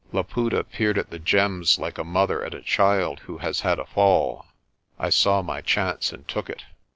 Laputa peered at the gems like a mother at a child who has had a fall. I saw my chance and took it.